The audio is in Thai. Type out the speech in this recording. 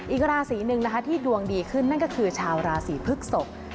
อีกราศีหนึ่งนะคะที่ดวงดีขึ้นนั่นก็คือชาวราศีพฤกษก